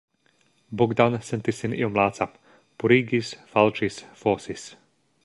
Bogdan sentis sin iom laca; purigis, falĉis, fosis.